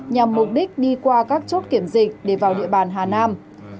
nhằm mục đích đi qua các chốt kiểm dịch để vào địa bàn hà nam